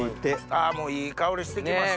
あもういい香りしてきました。